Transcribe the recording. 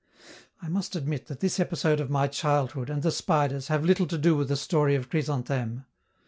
I must admit that this episode of my childhood, and the spiders, have little to do with the story of Chrysantheme.